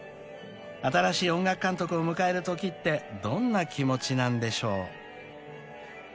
［新しい音楽監督を迎えるときってどんな気持ちなんでしょう？］